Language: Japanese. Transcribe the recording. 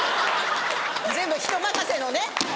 全部人任せのね。